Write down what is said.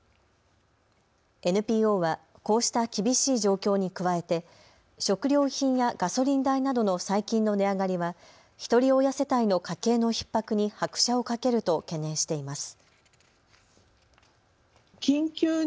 ＮＰＯはこうした厳しい状況に加えて食料品やガソリン代などの最近の値上がりはひとり親世帯の家計のひっ迫に拍車をかけると懸念しています。